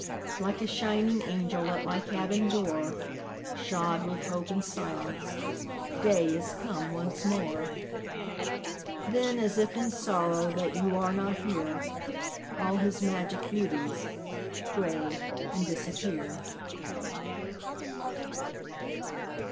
Like a shining angel At my cabin door, Shod with hope and silence, Day is come once more. Then, as if in sorrow That you are not here, All his magic beauties Gray and disappear.